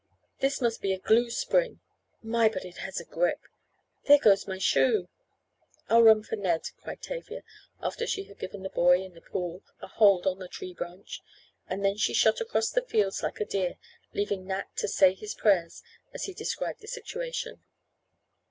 This must be a glue spring. My, but it has a grip! There goes my shoe." "I'll run for Ned," cried Tavia, after she had given the boy in the pool a hold on the tree branch, and then she shot across the fields like a deer, leaving Nat to "say his prayers," as he described the situation.